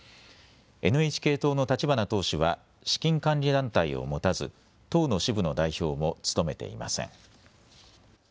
ＮＨＫ党の立花党首は資金管理団体を持たず党の支部の代表も務めていません。